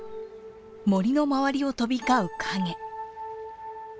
森の周りを飛び交う影。